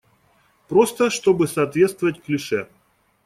Просто, чтобы соответствовать клише.